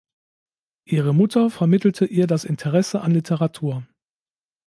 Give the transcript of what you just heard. Ihre Mutter vermittelte ihr das Interesse an Literatur.